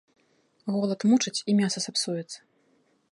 Голад мучыць, і мяса сапсуецца.